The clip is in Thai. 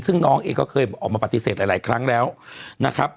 ซึ่งน้องเองก็เคยออกมาปฏิเสธหลายครั้งแล้วนะครับ